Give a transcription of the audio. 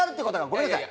ごめんなさい。